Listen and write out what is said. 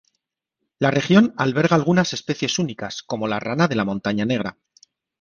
La región alberga algunas especies únicas, como la rana de la Montaña Negra.